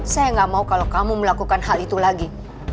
saya nggak mau kalau kamu melakukan hal itu lagi